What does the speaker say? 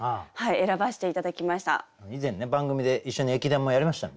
以前ね番組で一緒に駅伝もやりましたもんね。